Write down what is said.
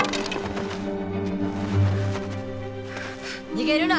逃げるな！